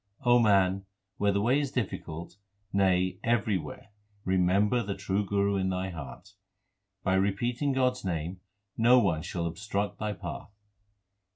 O man, where the way is difficult, nay, everywhere remember the True Guru in thy heart. By repeating God s name no one shall obstruct thy path.